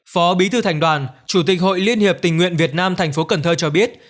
phó bí thư thành đoàn chủ tịch hội liên hiệp tình nguyện việt nam tp cần thơ cho biết